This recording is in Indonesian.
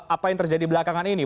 apa yang terjadi belakangan ini